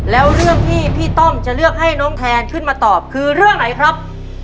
แล้วเรื่องที่พี่ต้อมจะเลือกให้น้องแทนขึ้นมาตอบคือเรื่องไหนครับ